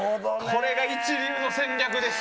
これが一流の戦略です。